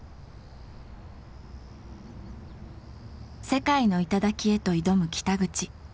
世界の頂へと挑む北口。